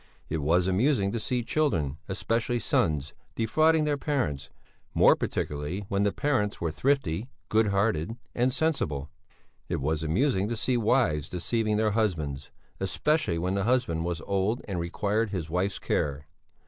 It was amusing to see children, especially sons, defrauding their parents, more particularly when the parents were thrifty, goodhearted, and sensible; it was amusing to see wives deceiving their husbands; especially when the husband was old and required his wife's care.